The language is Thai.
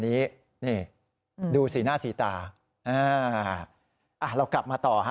นี่นี่ดูสีหน้าสีตาอั๊ะเรามาต่อฮะ